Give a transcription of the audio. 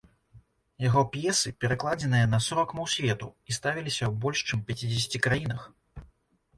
Яго п'есы перакладзеныя на сорак моў свету і ставіліся ў больш чым пяцідзесяці краінах.